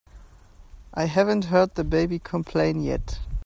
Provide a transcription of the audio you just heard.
I haven't heard the baby complain yet.